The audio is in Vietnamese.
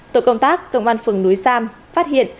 tổ công tác công an phường núi sam phát hiện